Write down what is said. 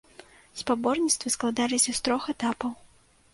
Спаборніцтвы складаліся з трох этапаў.